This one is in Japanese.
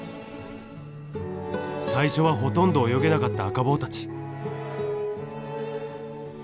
最初はほとんど泳げなかった赤帽たち。